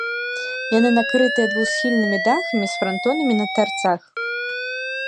Яны накрытыя двухсхільнымі дахамі з франтонамі на тарцах.